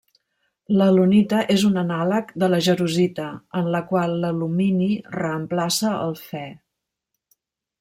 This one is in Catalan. L'alunita és un anàleg de la jarosita, en la qual l'alumini reemplaça el Fe.